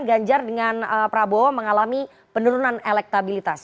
dan ganjar dengan prabowo mengalami penurunan elektabilitas